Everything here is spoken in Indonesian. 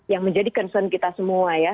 yang menjadi concern kita semua ya